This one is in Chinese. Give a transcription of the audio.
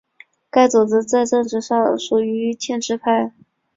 该组织在政治上属于建制派。